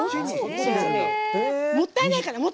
もったいないから！